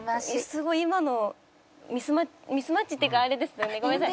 すごい今のミスマッチミスマッチっていうかあれですよねごめんなさい。